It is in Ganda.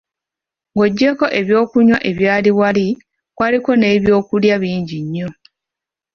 Ng’oggyeeko ebyokunywa ebyali wali, kwaliko n’ebyokulya bingi nnyo.